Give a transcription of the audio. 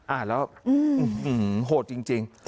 อ่านแล้วโหดจริง